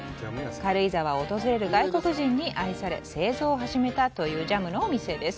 軽井沢を訪れる外国人に愛され製造を始めたというジャムのお店です。